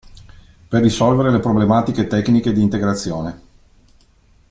Per risolvere le problematiche tecniche di integrazione.